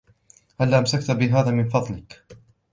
هلا أمسكت بهذا من فضلك؟